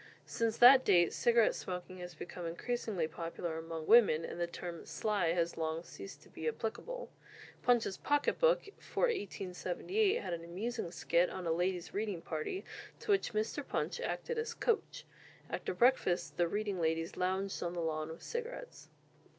Since that date cigarette smoking has become increasingly popular among women, and the term "sly" has long ceased to be applicable. "Punch's Pocket Book" for 1878 had an amusing skit on a ladies' reading party, to which Mr. Punch acted as "coach." After breakfast the reading ladies lounged on the lawn with cigarettes.